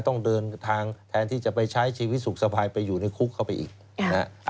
ต้องเดินทางแทนที่จะไปใช้ชีวิตสุขสะพายไปอยู่ในคุกเข้าไปอีกนะฮะ